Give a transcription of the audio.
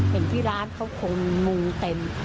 เห็นที่ร้านเขาคนมูเต็ม